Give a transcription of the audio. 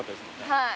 はい。